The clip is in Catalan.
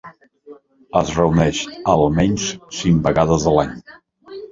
Es reuneix, almenys cinc vegades a l'any.